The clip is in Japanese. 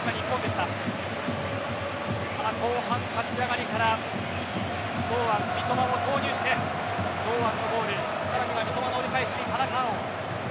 ただ後半、立ち上がりから堂安、三笘を投入して堂安のゴール、さらには三笘の折り返しに田中碧。